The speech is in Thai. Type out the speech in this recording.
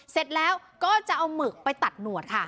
เสร็จแล้วก็จะเอาหมึกไปตัดหนวดค่ะ